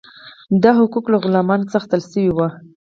دا حقوق له غلامانو څخه اخیستل شوي وو.